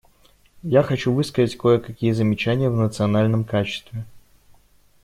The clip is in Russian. Я хочу высказать кое-какие замечания в национальном качестве.